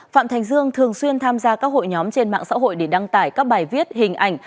phạm thành dương thường xuyên tham gia các hội nhóm trên mạng xã hội để đăng tải các bài viết hình ảnh